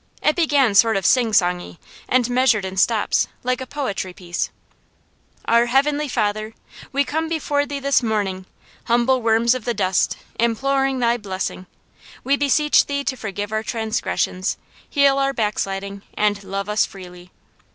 It began sort of sing songy and measured in stops, like a poetry piece: "Our Heavenly Father: We come before Thee this morning, Humble worms of the dust, imploring thy blessing. We beseech Thee to forgive our transgressions, Heal our backsliding, and love us freely."